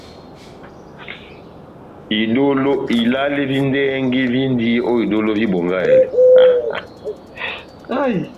Ilale vi ndɛhɛgi víndi ó idólo vi Bongahɛlɛ.